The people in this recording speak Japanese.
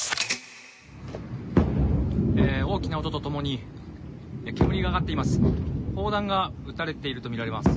大きな音とともに煙が上がっています。